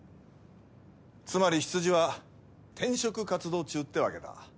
つまりヒツジは転職活動中ってわけだ。